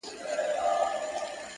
• را سهید سوی، ساقي جانان دی،